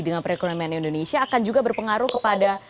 dengan perekonomian indonesia akan juga berpengaruh kepada